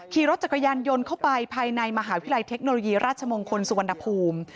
ขี่รถจักรยานยนต์เข้าไปภายในมหาวิทยาลัยเทคโนโลยีราชมงคลสุวรรณภูมิ